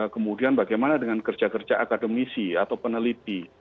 kemudian bagaimana dengan kerja kerja akademisi atau peneliti